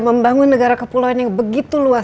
membangun negara kepulauan yang begitu luas